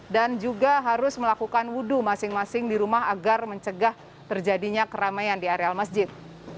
dan juga harus melakukan wudhu masing masing di rumah agar mencegah terjadinya keramaian di areal masjid